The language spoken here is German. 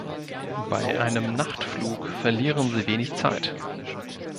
Bei einem Nachtflug verlieren Sie wenig Zeit.